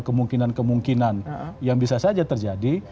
kemungkinan kemungkinan yang bisa saja terjadi